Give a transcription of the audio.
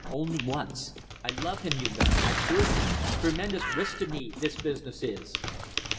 Only once. I love him, you know. I prove it. Tremendous risk to me this business is!"